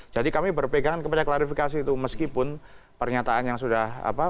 jadi kami berpegangan kepada klarifikasi itu meskipun pernyataan yang sudah apa